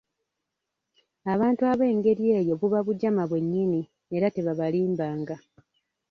Abantu ab'engeri eyo buba bujama, bwe nyinni, era tebabalimbanga.